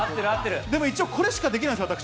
でも一応、これしかできないんですよ、私。